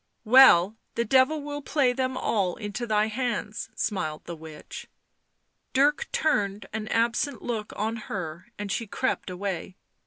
" Well, the Devil will play them all into thy hands," smiled the witch. Dirk turned an absent look on her and she crept away.